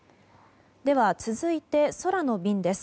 続いて、空の便です。